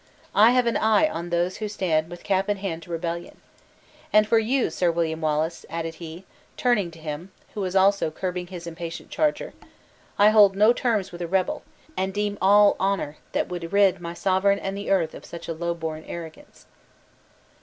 I have an eye on those who stand with cap in hand to rebellion. And for you, Sir William Wallace," added he, turning to him, who was also curbing his impatient charger, "I hold no terms with a rebel; and deem all honor that would rid my sovereign and the earth of such low born arrogance."